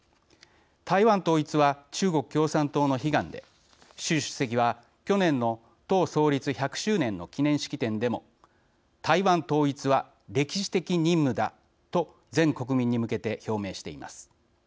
台湾統一は、中国共産党の悲願で習主席は、去年の党創立１００周年の記念式典でも「台湾統一は歴史的任務だ」と全国民に向けて表明しています。